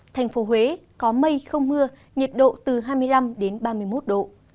thành phố huế có mây không mưa nhiệt độ từ hai mươi năm đến ba mươi một độ